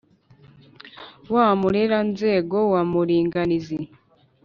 wa mureranzego, wa muringaniz